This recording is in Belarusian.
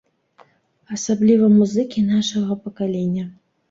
Асабліва музыкі нашага пакалення.